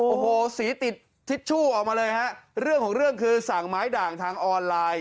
โอ้โหสีติดทิชชู่ออกมาเลยฮะเรื่องของเรื่องคือสั่งไม้ด่างทางออนไลน์